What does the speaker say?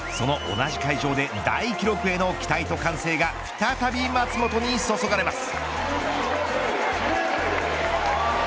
同じ会場で大記録への期待と歓声が再び松元に注がれます。